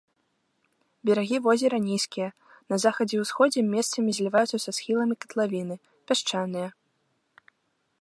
Берагі возера нізкія, на захадзе і ўсходзе месцамі зліваюцца са схіламі катлавіны, пясчаныя.